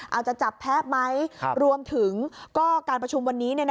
เอาจะจับแพ้ไหมรวมถึงก็การประชุมวันนี้